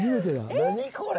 何これ。